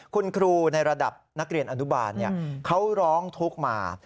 คุณครูในระดับนักเรียนอนุบาลเขาร้องทุกข์มา